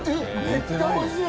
めっちゃ美味しい！